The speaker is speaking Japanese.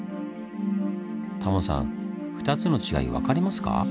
タモさん２つの違い分かりますか？